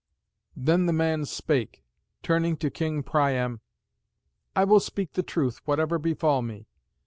Then the man spake, turning to King Priam: "I will speak the truth, whatever befall me.